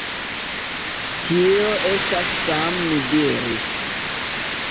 Tio estas Sam, mi diris.